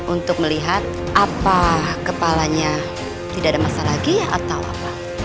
untuk melihat apa kepalanya tidak ada masalah gia atau apa